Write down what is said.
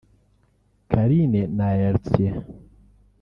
Carine na Heritier